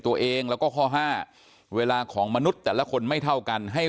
ตัวเองแล้วก็ข้อห้าเวลาของมนุษย์แต่ละคนไม่เท่ากันให้